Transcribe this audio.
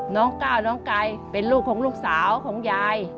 น้องก้าวน้องไก่เป็นลูกของลูกสาวของยาย